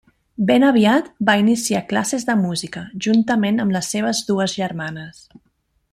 Ben aviat va iniciar classes de música, juntament amb les seves dues germanes.